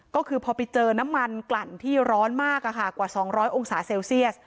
ก็คือพอไปเจอน้ำมันกลั่นที่ร้อนมากกว่า๒๐๐องศาเซลเซียส